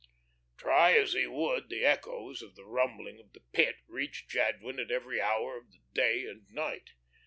Try as he would, the echoes of the rumbling of the Pit reached Jadwin at every hour of the day and night.